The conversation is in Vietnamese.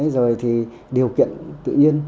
rồi thì điều kiện tự nhiên